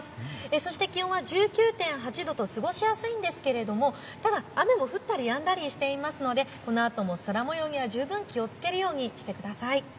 そして気温は１９．８度と過ごしやすいんですがただ雨も降ったりやんだりしているのでこのあとも空もようには十分気をつけるようにしてください。